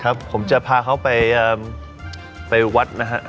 ผมจะพาเขาไปวัดนะฮะ